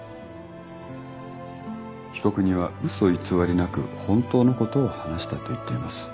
被告人は嘘偽りなく本当のことを話したと言っています。